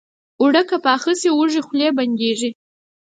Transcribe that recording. اوړه که پاخه شي، وږې خولې بندېږي